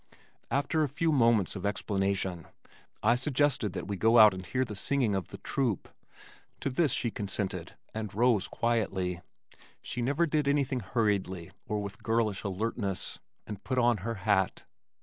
After a few moments of explanation, I suggested that we go out and hear the singing of the "troupe." To this she consented, and rose quietly she never did anything hurriedly or with girlish alertness and put on her hat.